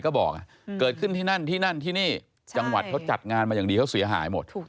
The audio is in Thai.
ก็บอกเกิดขึ้นที่นั่นที่นั่นที่นี่จังหวัดเขาจัดงานมาอย่างดีเขาเสียหายหมด